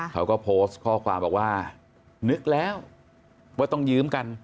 เขาก็โพสต์ข้อความบอกว่านึกแล้วว่าต้องยืมกัน